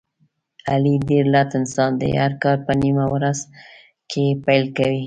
علي ډېر لټ انسان دی، هر کار په نیمه ورځ کې پیل کوي.